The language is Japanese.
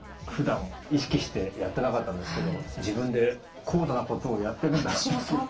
ふだん意識してやってなかったんですけど自分で高度なことをやってるんだなって。